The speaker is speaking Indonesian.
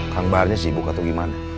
kang baharnya sibuk atau gimana